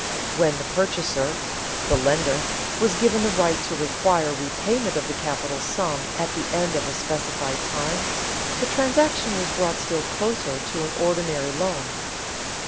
When the purchaser (the lender) was given the right to require repayment of the capital sum at the end of a specified time, the transaction was brought still closer to an ordinary loan.